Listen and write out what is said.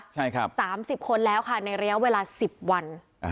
ใช่ครับ๓๐คนแล้วค่ะในระยะเวลา๑๐วัน